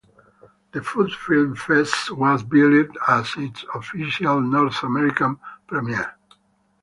The Food Film Fest was billed as its official North American premiere.